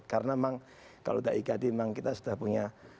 kalau da'i iqadi memang kita sudah punya